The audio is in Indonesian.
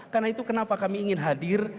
karena itu kenapa kami ingin hadir